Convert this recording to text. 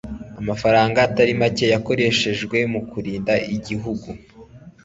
Amafaranga atari make yakoreshejwe mu kurinda igihugu